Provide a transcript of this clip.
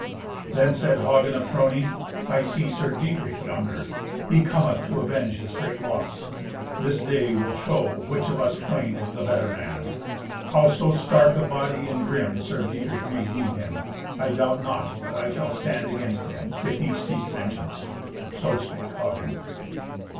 Then said Hagen of Trony, "I see Sir Dietrich yonder. He cometh to avenge his great loss. This day will show which of us twain is the better man. Howso stark of body and grim Sir Dietrich may deem him, I doubt not but I shall stand against him, if he seek vengeance." So spake Hagen.